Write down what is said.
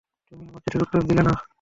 তুমি আমার চিঠির উত্তর দিলে না?